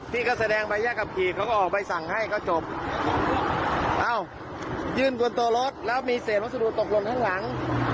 ที่ก็แสดงใบแยกขับขี่เขาก็ออกใบสั่งให้ก็จบเอ้ายื่นบนตัวรถแล้วมีเศษวัสดุตกลนข้างหลัง